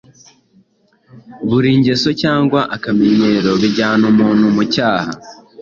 buri ngeso cyangwa akamenyero bijyana umuntu mu cyaha